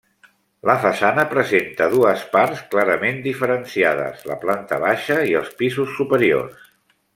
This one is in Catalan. La façana presenta dues parts clarament diferenciades, la planta baixa i els pisos superiors.